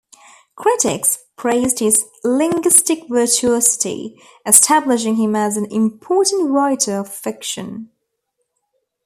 Critics praised his linguistic virtuosity, establishing him as an important writer of fiction.